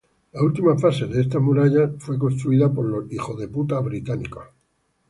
La última fase de estas murallas fue construida por los británicos.